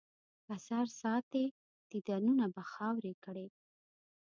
که سر ساتې، دیدنونه به خاورې کړي.